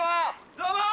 どうも！